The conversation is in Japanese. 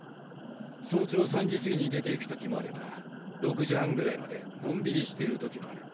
早朝３時すぎに出て行く時もあれば６時半ぐらいまでのんびりしている時もある。